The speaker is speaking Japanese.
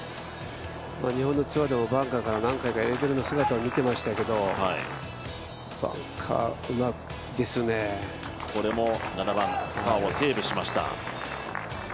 日本のツアーでもバンカーから入れてる姿を見ていましたけれども、これもパーをセーブしました。